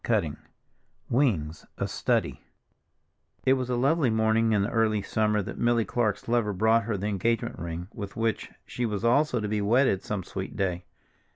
Wings Wings A Study I IT was a lovely morning in the early summer that Milly Clark's lover brought her the engagement ring with which she was also to be wedded some sweet day.